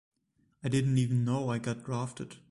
I didn't even know I got drafted.